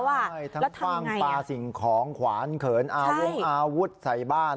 ใช่ทั้งคว่างปลาสิ่งของขวานเขินอาวงอาวุธใส่บ้าน